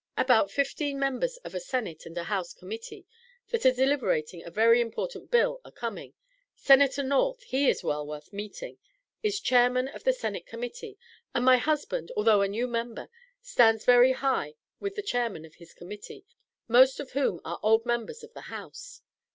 About fifteen members of a Senate and a House Committee that are deliberating a very important bill are coming. Senator North he is well worth meeting is Chairman of the Senate Committee, and my husband, although a new member, stands very high with the Chairman of his Committee, most of whom are old members of the House.